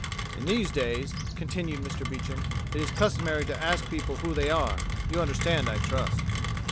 "In these days," continued Mr. Beecham, "it is customary to ask people who they are. You understand, I trust."